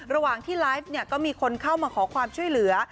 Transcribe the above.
ระหว่างที่ไลฟ์ก็มีคนเข้ามาขอความช่วยเหลือ